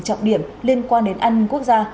trọng điểm liên quan đến an ninh quốc gia